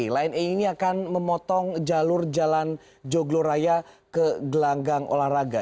line e ini akan memotong jalur jalan jogloraya ke gelanggang olahraga